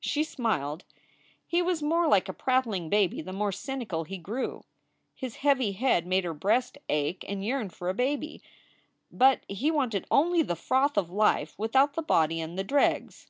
She smiled. He was more like a prattling baby the more cynical he grew. His heavy head made her breast ache and yearn for a baby. But he wanted only the froth of life with out the body and the dregs.